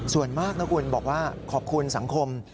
ส่วนมากนะคุณบอกว่าขอบคุณสังคม